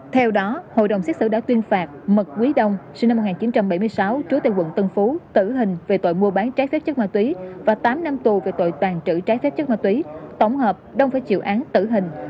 theo đó hội đồng xét xử đã tuyên phạt mật quý đông sinh năm một nghìn chín trăm bảy mươi sáu trú tại quận tân phú tử hình về tội mua bán trái phép chất ma túy và tám năm tù về tội tàn trữ trái phép chất ma túy tổng hợp đông phải chịu án tử hình